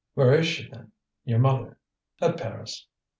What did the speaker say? "Where is she, then, your mother?" "At Paris.